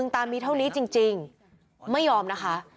ตามีเท่านี้จริงไม่ยอมนะคะ